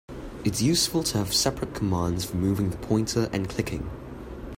It's useful to have separate commands for moving the pointer and clicking.